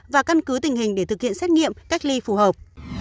và căn cứ tình hình để thực hiện xét nghiệm cách ly phù hợp